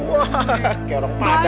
wahahah karang padat